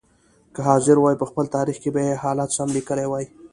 که حاضر وای په خپل تاریخ کې به یې حالات سم لیکلي وای.